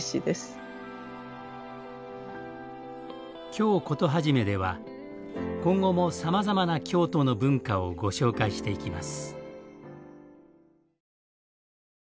「京コトはじめ」では今後もさまざまな京都の文化をご紹介していきます。